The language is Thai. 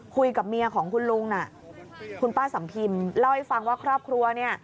คุยกับเมียของคุณลุงน่ะคุณป้าสัมพิมเล่าให้ฟังว่าครอบครัวเนี่ย